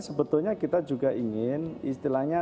sebetulnya kita juga ingin istilahnya